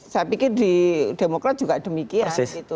saya pikir di demokrat juga demikian